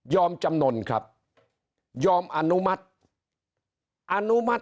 ยอมจำนวนครับยอมอนุมัติ